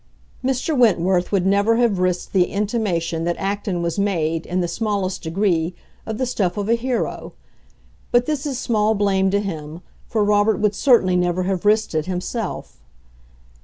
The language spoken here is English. Mr. Wentworth would never have risked the intimation that Acton was made, in the smallest degree, of the stuff of a hero; but this is small blame to him, for Robert would certainly never have risked it himself.